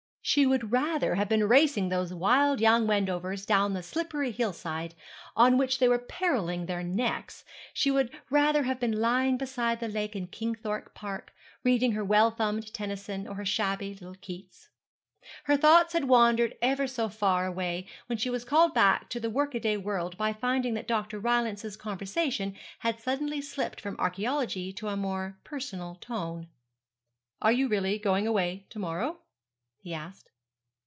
She would rather have been racing those wild young Wendovers down the slippery hill side, on which they were perilling their necks; she would rather have been lying beside the lake in Kingthorpe Park, reading her well thumbed Tennyson, or her shabby little Keats. Her thoughts had wandered ever so far away when she was called back to the work a day world by finding that Dr. Rylance's conversation had suddenly slipped from archaeology into a more personal tone. 'Are you really going away to morrow?' he asked.